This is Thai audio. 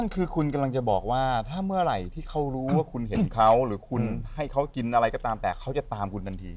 เขากินอะไรก็ตามแต่เขาจะตามดันที